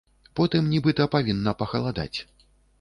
Потым, нібыта, павінна пахаладаць.